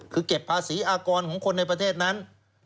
คือเก็บภาษีอากรของคนในประเทศนั้น